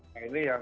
nah ini yang